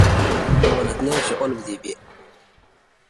As the film fades to black, Taisheng's voice asks, Are we dead?